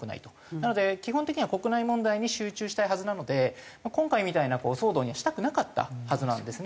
なので基本的には国内問題に集中したいはずなので今回みたいな騒動にはしたくなかったはずなんですね。